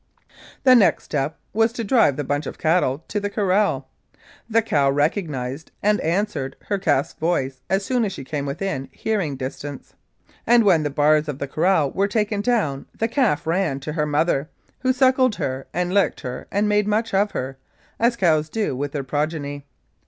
The next step was to drive the bunch *of cattle to the corral. The cow recognised and answered her calf's voice as soon as she came within hearing distance, and when the bars of the corral were taken down the calf ran to her mother, who suckled her and licked her and made much of her, as cows do with their progeny.